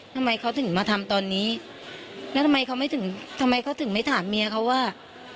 ทำไมเขาถึงมาทำตอนนี้แล้วทำไมเขาถึงไม่ถามเมียเขาว่า